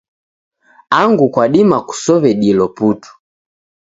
Angu kwadima kusow'e dilo putu.